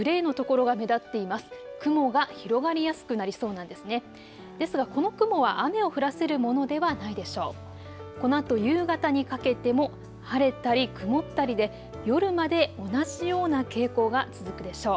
ですがこの雲は雨を降らせるものではないでしょう。